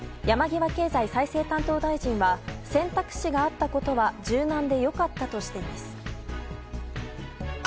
山際経済再生担当大臣は選択肢があったことは柔軟で良かったとしています。